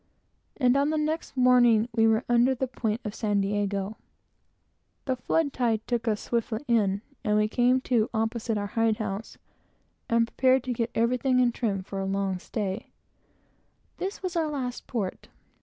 And on the next morning we were under the high point of San Diego. The flood tide took us swiftly in, and we came to, opposite our hide house, and prepared to get everything in trim for a long stay. This was our last port.